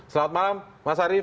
selamat malam mas arief